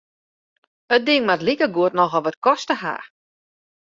It ding moat likegoed nochal wat koste ha.